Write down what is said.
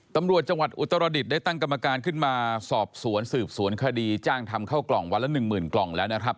ตำรวจจังหวัดอุตรดิษฐ์ได้ตั้งกรรมการขึ้นมาสอบสวนสืบสวนคดีจ้างทำเข้ากล่องวันละ๑๐๐๐กล่องแล้วนะครับ